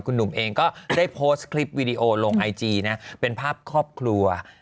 คุณหนุ่มเองก็ได้โพสต์คลิปวิดีโอลงไอจีนะเป็นภาพครอบครัว